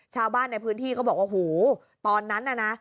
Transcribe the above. ชาวบ้านในพื้นที่ก็บอกว่าหูตอนนั้นน่ะนะ